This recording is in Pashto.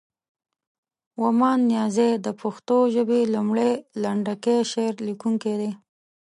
ومان نیازی د پښتو ژبې لومړی، لنډکی شعر لیکونکی دی.